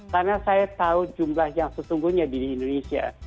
karena saya tahu jumlah yang sesungguhnya di indonesia